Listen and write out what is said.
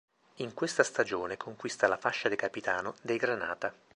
In questa stagione conquista la fascia da capitano dei granata.